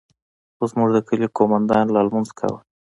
خو زموږ د کلي قومندان لا لمونځ کاوه.